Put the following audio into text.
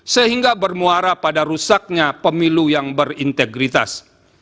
sehingga bermuara pada rusaknya pemilu yang berintegritas